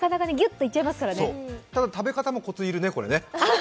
ただ、食べ方もコツが要るね。